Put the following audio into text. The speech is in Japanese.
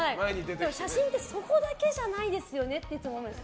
でも写真ってそこだけじゃないですよねっていつも思うんです。